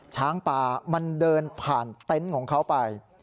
ช้างป่ามันเดินผ่านเต็นต์ของเขาไป